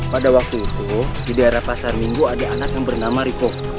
pada waktu itu di daerah pasar minggu ada anak yang bernama riko